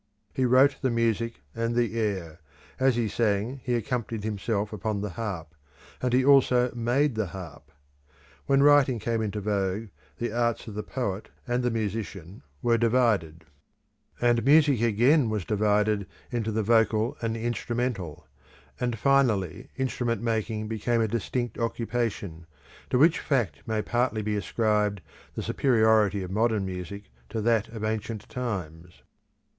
He wrote the music and the air; as he sang he accompanied himself upon the harp, and he also made the harp. When writing came into vogue the arts of the poet and the musician were divided, and music again was divided into the vocal and the instrumental, and finally instrument making became a distinct occupation, to which fact may partly be ascribed the superiority of modern music to that of ancient times.